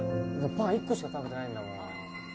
・パン１個しか食べてないんだもん